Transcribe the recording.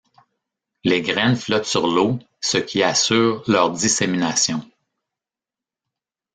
Les graines flottent sur l'eau, ce qui assure leur dissémination.